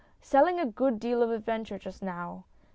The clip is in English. Selling a good deal of adventure just now.